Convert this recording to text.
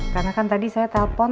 karena kan tadi saya telpon